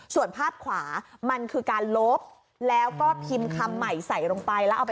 ส่วนภาพขวามันคือการลบแล้วก็พิมพ์คำใหม่ใส่ลงไปแล้วเอาไป